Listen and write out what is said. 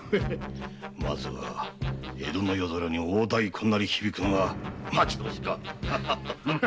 まずは江戸の夜空に大太鼓が鳴り響くのが待ち遠しか。